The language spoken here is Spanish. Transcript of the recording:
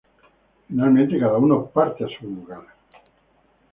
Finalmente, cada uno parte a su hogar.